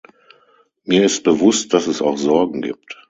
Mir ist bewusst, dass es auch Sorgen gibt.